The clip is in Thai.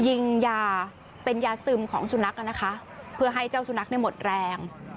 ยิงยาเป็นยาซึมของสุนัขอ่ะนะคะเพื่อให้เจ้าสุนัขเนี่ยหมดแรง